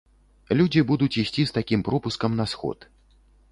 Людзі будуць ісці з такім пропускам на сход.